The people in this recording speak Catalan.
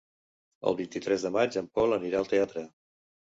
El vint-i-tres de maig en Pol anirà al teatre.